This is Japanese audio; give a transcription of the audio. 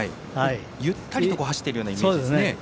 ゆったりと走っているようなイメージですね。